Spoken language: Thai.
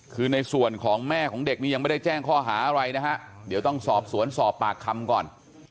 คือในส่วนของแม่ของเด็กนี้ยังไม่ได้แจ้งข้อหาอะไรนะฮะเดี๋ยวต้องสอบสวนสอบปากคำก่อน